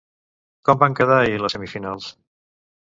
Com van quedar ahir les semifinals?